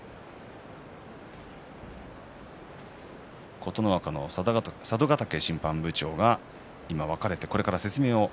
琴ノ若の佐渡ヶ嶽審判部長が今、分かれてこれから説明です。